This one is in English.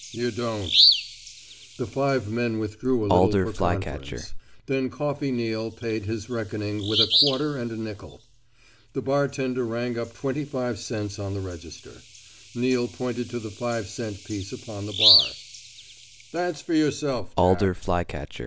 "You don't." The five men withdrew a little for conference. Then Coffey Neal paid his reckoning with a quarter and a nickel. The bartender rang up twenty five cents on the register. Neal pointed to the five cent piece upon the bar. "That's for yourself, Jack."